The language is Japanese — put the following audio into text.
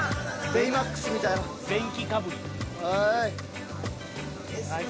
「ベイマックス」みたいよ。